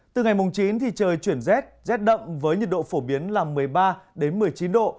từ ngày mùng chín thì trời chuyển rét rét đậm với nhiệt độ phổ biến là một mươi ba một mươi chín độ